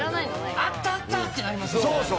あったあった！ってなりますもんね。